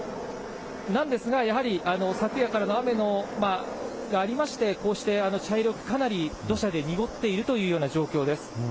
なんですが、やはり昨夜からの雨がありまして、こうして茶色くかなり土砂で濁っているというような状況です。